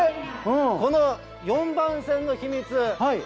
この４番線の秘密。